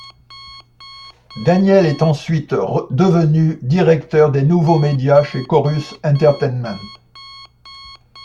Daniel est ensuite devenu directeur des Nouveaux Medias chez Corus Entertainment.